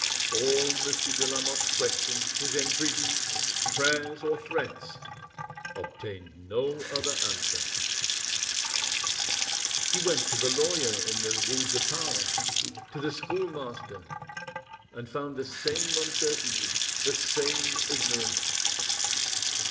All Monsieur de Lamotte's questions, his entreaties, prayers, or threats, obtained no other answer. He went to the lawyer in the rue de Paon, to the schoolmaster, and found the same uncertainty, the same ignorance.